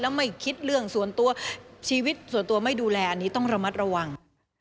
แล้วไม่คิดเรื่องส่วนตัวชีวิตส่วนตัวไม่ดูแลอันนี้ต้องระมัดระวัง